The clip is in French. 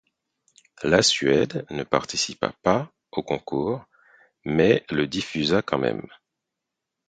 La Suède ne participa pas au concours, mais le diffusa pourtant.